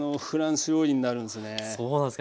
そうなんですか。